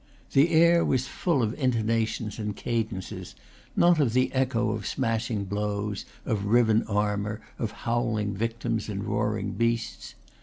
The air was full of intonations and cadences; not of the echo of smashing blows, of riven armor, of howling victims and roaring beasts.